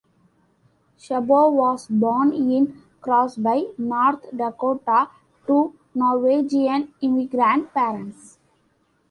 Sabo was born in Crosby, North Dakota, to Norwegian immigrant parents.